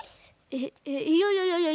えっえっいやいやいやいや。